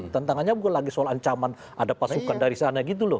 tantangannya bukan lagi soal ancaman ada pasukan dari sana gitu loh